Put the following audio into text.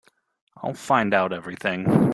I'll find out everything.